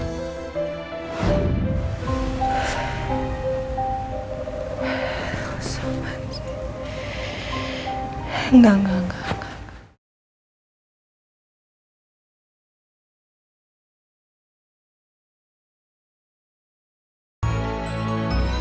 sampai jumpa di video selanjutnya